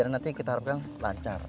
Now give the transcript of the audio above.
nanti kita harapkan lancar